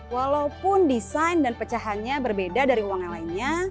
walaupun desain dan pecahannya berbeda dari uang yang lainnya